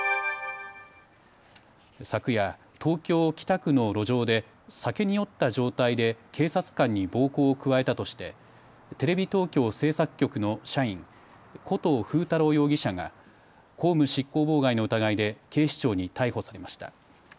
昨夜、東京・北区の路上で酒に酔った状態で警察官に暴行を加えたとしてテレビ東京制作局の社員古東風太郎容疑者が公務執行妨害の疑いで警視庁に逮捕されました。